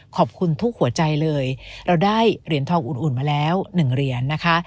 ขอบคุณทุกหัวใจเลยเราได้เหรียญทองอุ่นมาแล้ว๑เหรียญนะคะ